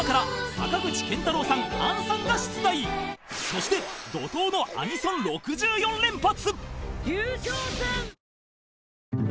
［そして怒濤のアニソン６４連発］